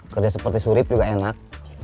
kerja seperti surip juga enak